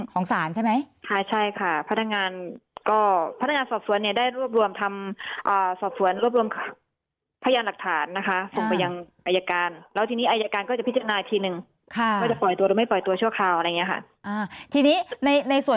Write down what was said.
ก็ทั้งวันนะคะ